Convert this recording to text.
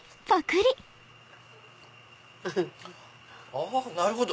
あなるほど！